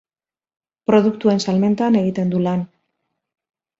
Produktuen salmentan egiten du lan.